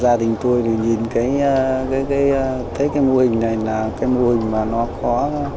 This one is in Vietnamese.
gia đình tôi thì nhìn cái mô hình này là cái mô hình mà nó có